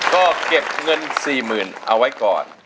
ก็เก็บเงิน๔๐๐๐เอาไว้ก่อน